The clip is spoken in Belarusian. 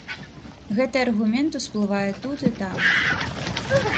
Гэты аргумент усплывае тут і там.